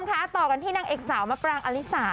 คุณผู้ชมคะต่อกันที่นางเอกสาวมะปางอะลิสา